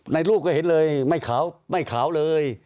รูปก็เห็นเลยไม่ขาวไม่ขาวเลย